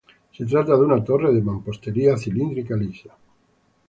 Se trata de una torre de mampostería cilíndrica lisa.